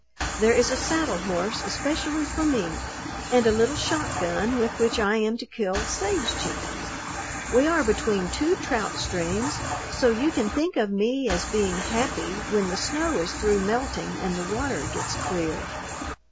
There is a saddle horse especially for me and a little shotgun with which I am to kill sage chickens. We are between two trout streams, so you can think of me as being happy when the snow is through melting and the water gets clear.